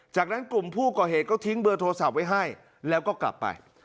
จากนั้นกลุ่มผู้ก่อเหตุก็ทิ้งเบอร์โทรศัพท์ไว้ให้แล้วก็กลับไป